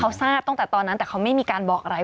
เขาทราบตั้งแต่ตอนนั้นแต่เขาไม่มีการบอกอะไร